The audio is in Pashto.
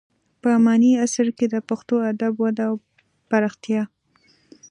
په اماني عصر کې د پښتو ادب وده او پراختیا.